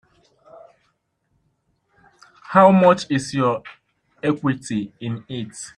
How much is your equity in it?